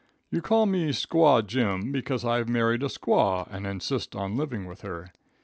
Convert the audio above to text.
You call me Squaw Jim because I've married a squaw and insist on living with her.